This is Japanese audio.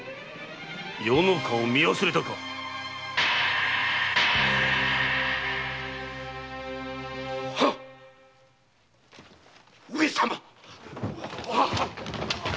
余の顔を見忘れたか⁉上様！